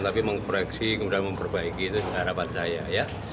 tapi mengkoreksi kemudian memperbaiki itu harapan saya ya